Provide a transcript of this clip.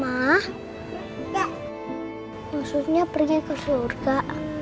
maksudnya pergi ke surga